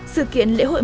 sự kiến lễ hội tuyệt vời